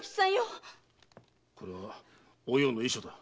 これはお葉の遺書だ。